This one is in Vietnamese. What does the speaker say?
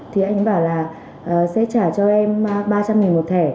thì anh bảo là sẽ trả cho em ba trăm linh một thẻ